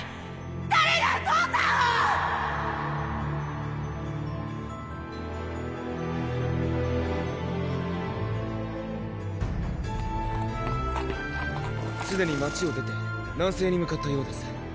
⁉誰が父さんをすでに町を出て南西に向かったようです。